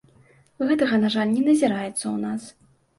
Гэтага, на жаль, не назіраецца ў нас.